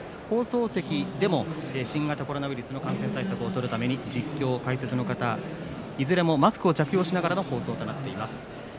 放送席でも新型コロナウイルスの感染対策を取るために実況、解説の方いずれもマスクを着用しながらの放送となっています。